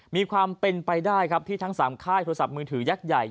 มีความเป็นไปได้ครับที่ทั้ง๓ค่ายโทรศัพท์มือถือยักษ์ใหญ่